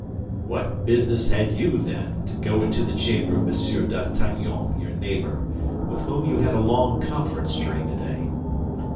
"What business had you, then, to go into the chamber of Monsieur d'Artagnan, your neighbor, with whom you had a long conference during the day?"